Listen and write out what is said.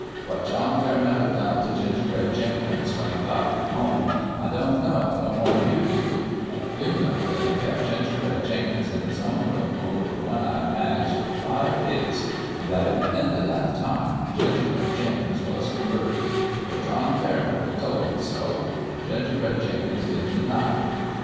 What John Fairmeadow done to Gingerbread Jenkins, when he got him home, I don't know, no more'n you do ; but I do know that he kep' Gingerbread Jenkins in his own room over One Eyed Mag's for five days, an' that at the end o' that time Gingerbread Jenkins was converted, for John Fairmeadow toP me so, an' Gingerbread Jenkins didn't deny it.